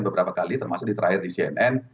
beberapa kali termasuk di terakhir di cnn